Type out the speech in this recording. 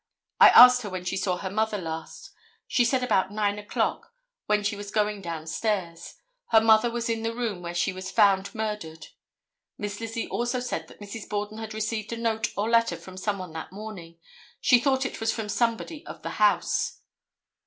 I asked her when she saw her mother last. She said about 9 o'clock, when she was going down stairs. Her mother was in the room where she was found murdered. Miss Lizzie also said that Mrs. Borden had received a note or letter from some one that morning. She thought it was from somebody of the house."